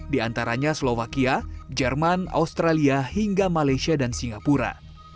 di antaranya slovakia jerman australia hingga malaysia dan singapura